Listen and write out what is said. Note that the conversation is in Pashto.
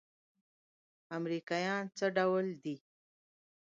امريکايان څه ډول دي؟